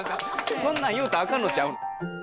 そんなん言うたらあかんのんちゃうの？